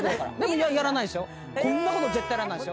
こんなこと絶対やらないですよ。